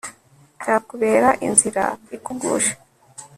cyakubera inzira ikugusha